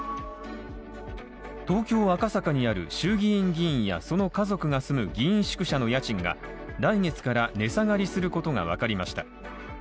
東京・赤坂にある、衆議院議員やその家族が住む議員宿舎の家賃が来月から値下がりすることが分かりました。